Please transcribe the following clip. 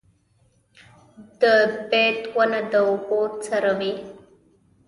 د بید ونه د اوبو سره وي